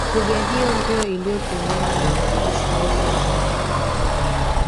Lugha hiyo ndiyo iliyotumiwa na waandishi wote wa Agano Jipya